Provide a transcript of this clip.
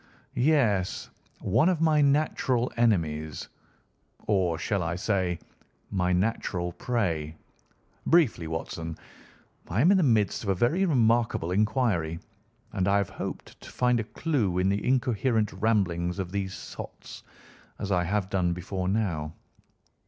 "Yes; one of my natural enemies, or, shall I say, my natural prey. Briefly, Watson, I am in the midst of a very remarkable inquiry, and I have hoped to find a clue in the incoherent ramblings of these sots, as I have done before now.